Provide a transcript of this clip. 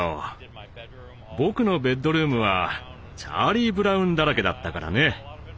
僕のベッドルームはチャーリー・ブラウンだらけだったからね。